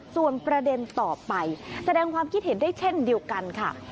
ส่วนประเด็นต่อไปแสดงความคิดเห็นได้เช่นเดียวกันค่ะ